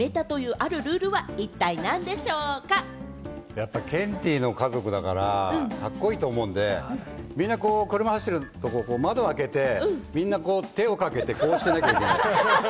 やっぱケンティーの家族だから、カッコいいと思うので、みんな車が走ってるところ、窓を開けて、みんなこう、手をかけて、こうしなきゃいけない。